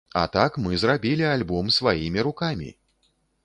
А так мы зрабілі альбом сваімі рукамі!